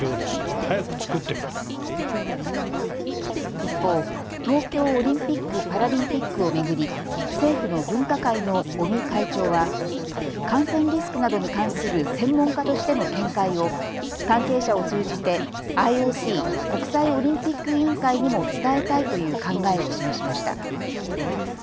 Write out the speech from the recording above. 一方、東京オリンピック・パラリンピックを巡り、政府の分科会の尾身会長は感染リスクなどに関する専門家としての見解を関係者を通じてＩＯＣ・国際オリンピック委員会にも伝えたいという考えを示しました。